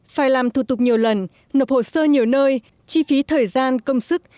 phải làm thủ tục nhiều lần nộp hồ sơ nhiều nơi chi phí thời gian công sức